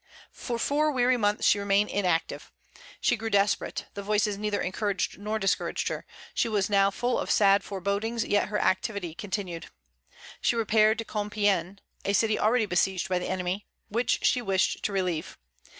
For four weary months she remained inactive. She grew desperate; the voices neither encouraged nor discouraged her. She was now full of sad forebodings, yet her activity continued. She repaired to Compiègne, a city already besieged by the enemy, which she wished to relieve.